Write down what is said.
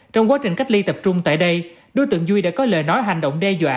trong quá trình cách ly tập trung tại đây đối tượng duy đã có lời nói hành động đe dọa